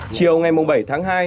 chiều ngày bảy tháng hai